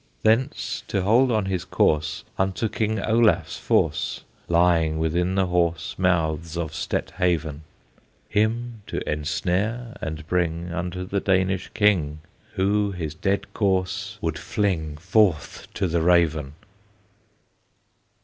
Thence to hold on his course, Unto King Olaf's force, Lying within the hoarse Mouths of Stet haven; Him to ensnare and bring, Unto the Danish king, Who his dead corse would fling Forth to the raven!